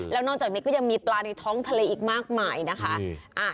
แล้วนอกจากนี้ก็ยังมีปลาในท้องทะเลอีกมากมายนะคะ